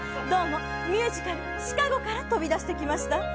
どうも、ミュージカル・シカゴから飛び出してきました。